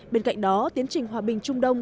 bên cạnh đó tiến trình hòa bình trung đông